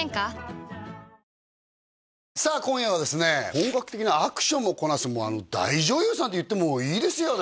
本格的なアクションもこなす大女優さんっていってもいいですよね